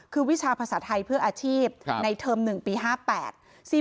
คือวิชาภาษาไทยเพื่ออาชีพในเทอม๑ปี๕๘